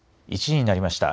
１時になりました。